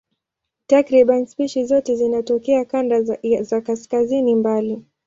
Takriban spishi zote zinatokea kanda za kaskazini mbali.